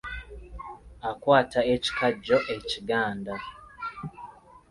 Akwata ekikajjo ekiganda.